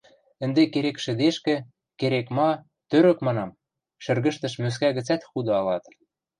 Ӹнде керек шӹдешкӹ, керек-ма — тӧрӧк манам: шӹргӹштӹш мӧскӓ гӹцӓт худа ылат...